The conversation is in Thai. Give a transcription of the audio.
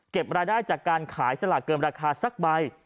รายได้จากการขายสลากเกินราคาสักใบ